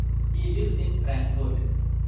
He lives in Frankfurt.